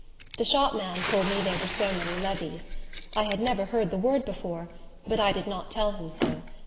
The shopman told me they were so many levies. I had never heard the word before, but I did not tell him so.